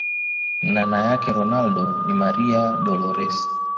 nana yake ronaldo ni maria dolores